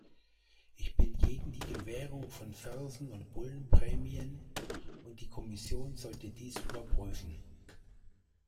Ich bin gegen die Gewährung von Färsen- und Bullenprämien, und die Kommission sollte dies überprüfen.